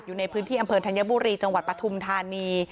อยู่ในพื้นที่อำเภอธัญบุรีจังหวัดปฐุมธานี